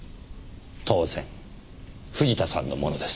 当然藤田さんのものです。